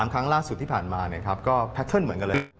ครั้งล่าสุดที่ผ่านมาก็แพทเทิร์นเหมือนกันเลย